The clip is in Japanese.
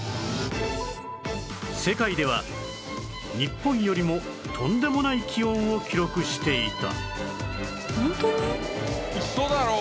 世界では日本よりもとんでもない気温を記録していた